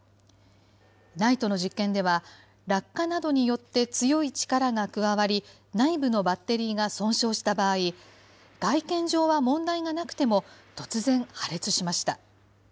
ＮＩＴＥの実験では、落下などによって強い力が加わり、内部のバッテリーが損傷した場合、外見上は問題がなくても、突然、破裂しました。